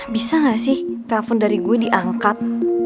bisa nggak sih telepon dari gue diangkat